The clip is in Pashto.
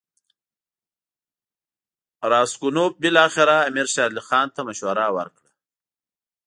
راسګونوف بالاخره امیر شېر علي خان ته مشوره ورکړه.